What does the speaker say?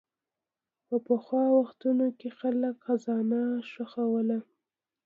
په پخوا وختونو کې خلک خزانه ښخوله.